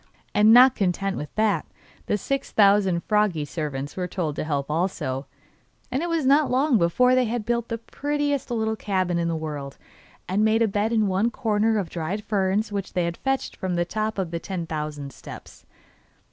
And not content with that the six thousand froggy servants were told to help also, and it was not long before they had built the prettiest little cabin in the world, and made a bed in one corner of dried ferns which they fetched from the top of the ten thousand steps.